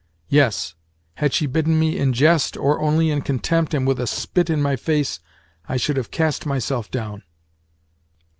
Yes, had she bidden me in jest, or only in contempt and with a spit in my face, I should have cast myself down.